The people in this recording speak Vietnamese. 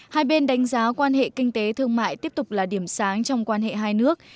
hai bên đánh giá quan hệ kinh tế thương mại tiếp tục là điểm sáng trong quan hệ hai nước